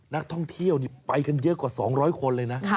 นักท่องเที่ยวไปกันเยอะกว่า๒๐๐คนเลยนะ